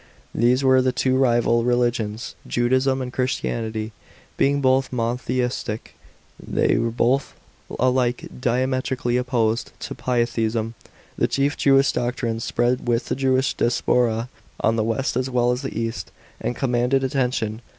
These were the two rival reli' iions, Judaism and Christianitv. Being both mono theistic, th' y were both alike diametrically opposed to p"lytheism. The chief Jewish doctrines spread with the Jewish diaspora fn the west as well as the east, and commanded attention.